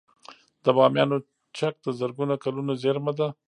د بامیانو چک د زرګونه کلونو زیرمه ده